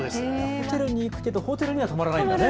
ホテルに行くけど、泊まらないんだね。